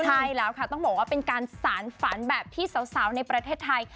ใช่แล้วค่ะต้องบอกว่าเป็นการสารฝันแบบที่สาวในประเทศไทย